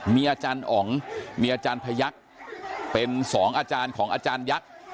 มีอาจารย์อ๋องมีอาจารย์พยักษ์เป็นสองอาจารย์ของอาจารยักษ์